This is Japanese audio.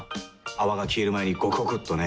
泡が消える前にゴクゴクっとね。